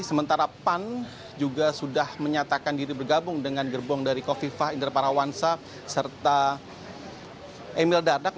sementara pan juga sudah menyatakan diri bergabung dengan gerbong dari kofifah indera parawansa serta emil dardak